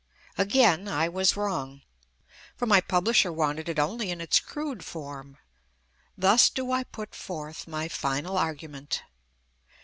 Again I was wrong, for my publisher wanted it only in its crude form — thus do I put forth my final argument.